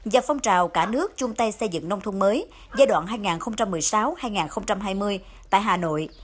và phong trào cả nước chung tay xây dựng nông thôn mới giai đoạn hai nghìn một mươi sáu hai nghìn hai mươi tại hà nội